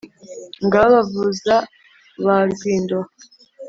ngabo abavuza ba rwindoha